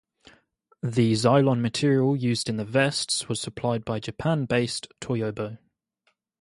The Zylon material used in the vests was supplied by Japan-based Toyobo.